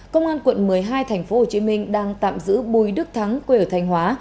công an quận một mươi hai tp hcm đang tạm giữ bùi đức thắng quê ở thanh hóa